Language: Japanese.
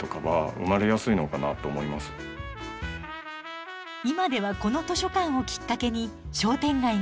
今ではこの図書館をきっかけに商店街が活気づいています。